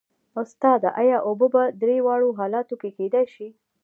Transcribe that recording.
استاده ایا اوبه په درې واړو حالتونو کې کیدای شي